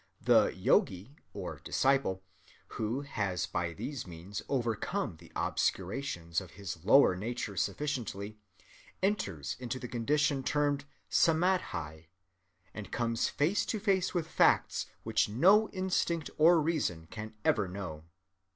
The yogi, or disciple, who has by these means overcome the obscurations of his lower nature sufficiently, enters into the condition termed samâdhi, "and comes face to face with facts which no instinct or reason can ever know."